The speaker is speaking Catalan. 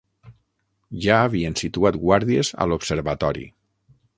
Ja havien situat guàrdies a l'observatori.